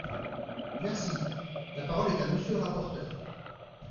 Merci ! La parole est à Monsieur le rapporteur.